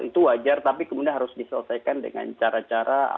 itu wajar tapi kemudian harus diselesaikan dengan cara cara